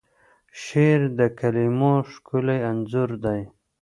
شعر د کلیمو ښکلی انځور دی.